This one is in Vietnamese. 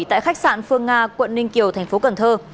tại khách sạn phương nga quận ninh kiều thành phố cần thơ